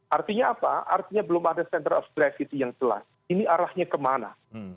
artinya apa artinya belum ada center of gravity yang jelas ini arahnya kemana